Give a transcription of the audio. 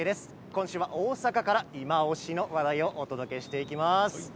今週は大阪から、いまオシの話題をお届けしていきます。